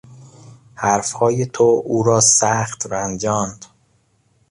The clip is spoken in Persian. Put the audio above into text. حرفهای تو او را سخت رنجاند.